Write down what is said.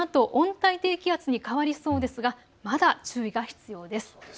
このあと温帯低気圧に変わりそうですがまだ注意が必要です。